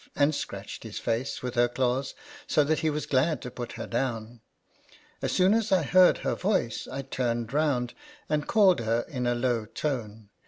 and scratched his face with her claws, so that he was glad to put her down. As soon as I heard her voice, I turned round, and called her in a low tone.